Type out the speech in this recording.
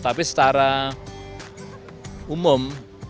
tapi secara umum